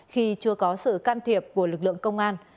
khi chưa có sự can thiệp của lực lượng công an